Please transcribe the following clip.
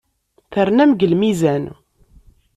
Ternam deg lmizan.